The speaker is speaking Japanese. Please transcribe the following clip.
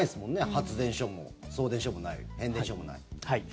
発電所も送電所もない変電所もない。